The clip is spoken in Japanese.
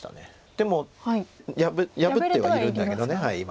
でも破ってはいるんだけど今。